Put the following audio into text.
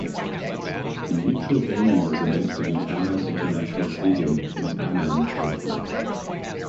The neutral venue was announced to be Amman International Stadium in Amman, Jordan.